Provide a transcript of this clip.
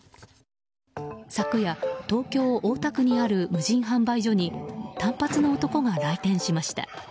昨夜、東京・大田区にある無人販売所に短髪の男が来店しました。